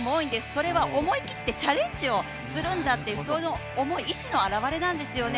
それは思い切ってチャレンジをするんだという思い、その意思の表れなんですよね。